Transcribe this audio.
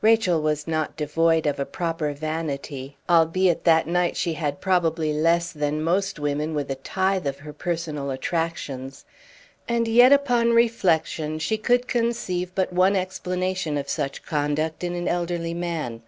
Rachel was not devoid of a proper vanity, albeit that night she had probably less than most women with a tithe of her personal attractions; and yet upon reflection she could conceive but one explanation of such conduct in an elderly man.